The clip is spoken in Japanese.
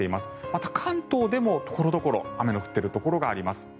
また、関東でも所々雨の降っているところがあります。